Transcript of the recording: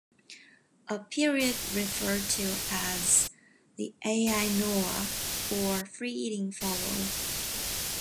A period referred to as the 'Ai Noa or "free eating" followed.